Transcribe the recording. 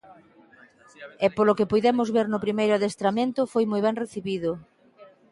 E, polo que puidemos ver no primeiro adestramento, foi moi ben recibido.